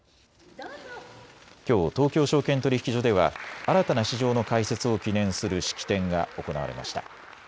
きょう、東京証券取引所では新たな市場の開設を記念する式典が行われました。